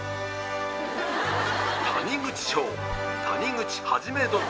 「谷口賞谷口一殿。